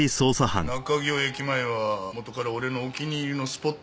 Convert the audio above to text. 中京駅前は元から俺のお気に入りのスポットなの。